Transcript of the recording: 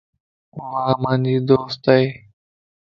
وو مانجي دوست ائي